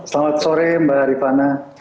selamat sore mbak arifana